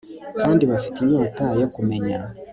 kandi bafite inyota yo kumenya